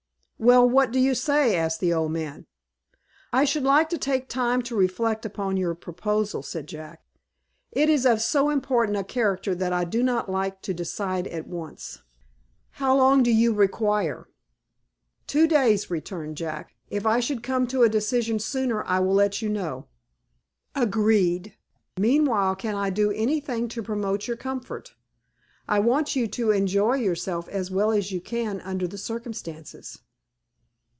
"Well, what do you say?" asked the old man. "I should like to take time to reflect upon your proposal," said Jack. "It is of so important a character that I do not like to decide at once." "How long do you require?" "Two days," returned Jack. "If I should come to a decision sooner, I will let you know." "Agreed. Meanwhile can I do anything to promote your comfort? I want you to enjoy yourself as well as you can under the circumstances."